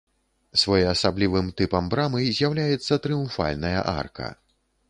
Своеасаблівым тыпам брамы з'яўляецца трыумфальная арка.